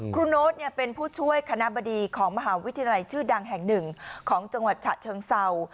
โน้ตเป็นผู้ช่วยคณะบดีของมหาวิทยาลัยชื่อดังแห่งหนึ่งของจังหวัดฉะเชิงเศร้า